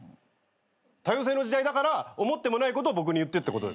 多様性の時代だから思ってもないことを僕に言えってこと？